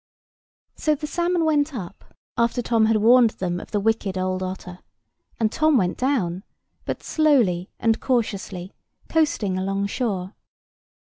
[Picture: Tom on rock] SO the salmon went up, after Tom had warned them of the wicked old otter; and Tom went down, but slowly and cautiously, coasting along shore.